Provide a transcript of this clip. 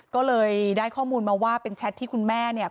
ก็เลยได้ข้อมูลมาว่าเป็นแชทที่คุณแม่เนี่ย